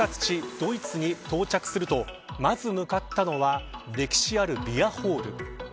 ドイツに到着するとまず向かったのは歴史あるビアホール。